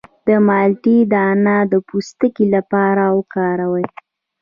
د مالټې دانه د پوستکي لپاره وکاروئ